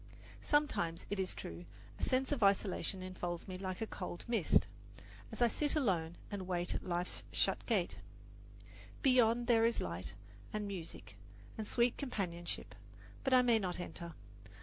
Sometimes, it is true, a sense of isolation enfolds me like a cold mist as I sit alone and wait at life's shut gate. Beyond there is light, and music, and sweet companionship; but I may not enter.